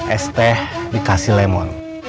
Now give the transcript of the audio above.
es teh dikasih lemon